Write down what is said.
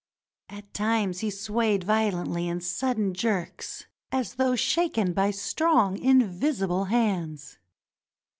At times he swayed violently in sudden jerks as though shaken by strong, invisible hands.